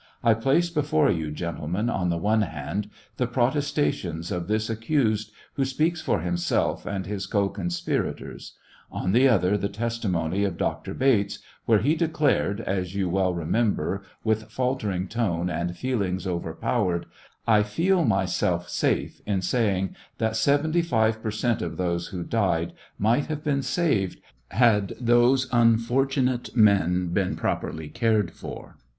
I place before you, gentlemen, on the one hand the protestations of this accused, who speaks for himself and his co con spirators ; on the other the testimony of Dr. Bates, where he declared, as you well remember, with faltering tone and feelings overpowered, " I feel myself safe in saying that 75 per cent, of those who died might have been saved had those unfortunate men been properly cared for."